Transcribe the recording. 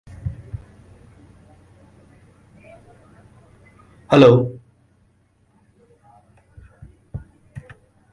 Western singing star Gene Autry sang at his funeral service.